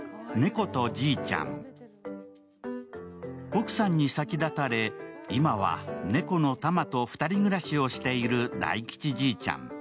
奥さんに先立たれ、今は猫のたまと２人暮らしをしている大吉じいちゃん。